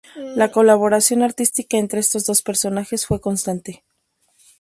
La colaboración artística entre estos dos personajes fue constante.